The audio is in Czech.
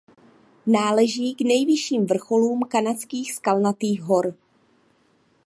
Náleží k nejvyšším vrcholům Kanadských Skalnatých hor.